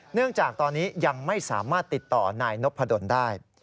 เนื่องจากตอนนี้ยังไม่สามารถติดต่อนายนพดลได้